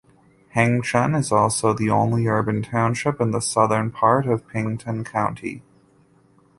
Hengchun is also the only urban township in the southern part of Pingtung County.